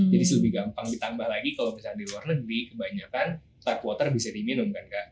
jadi lebih gampang ditambah lagi kalau misalnya di luar negeri kebanyakan tap water bisa diminum kan kak